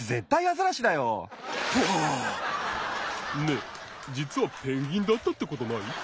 ねえじつはペンギンだったってことない？